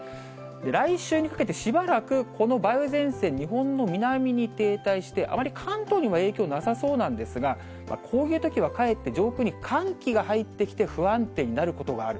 来週にかけて、しばらくこの梅雨前線、日本の南に停滞して、あまり関東には影響なさそうなんですが、こういうときはかえって、上空に寒気が入ってきて、不安定になることがある。